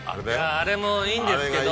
あれもいいんですけど。